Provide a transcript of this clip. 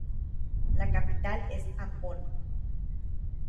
La capital es Ambon.